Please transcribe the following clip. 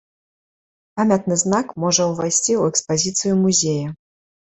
Памятны знак можа ўвайсці ў экспазіцыю музея.